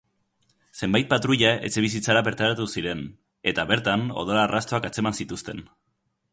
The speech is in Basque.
Zenbait patruila etxebizitzara bertaratu ziren, eta, bertan odol arrastoak atzeman zituzten.